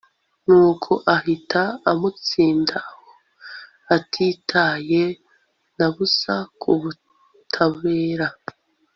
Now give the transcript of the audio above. nuko ahita amutsinda aho, atitaye na busa ku butabera